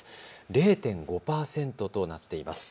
０．５％となっています。